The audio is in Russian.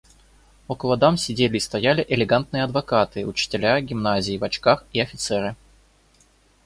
Около дам сидели и стояли элегантные адвокаты, учителя гимназии в очках и офицеры.